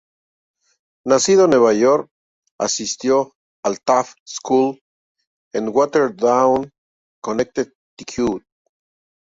Nacido en Nueva York, asistió a la Taft School en Watertown, Connecticut.